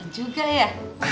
bener juga ya